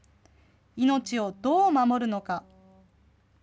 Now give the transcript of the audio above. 命をどう守るのか。